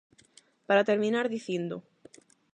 Para terminar dicindo: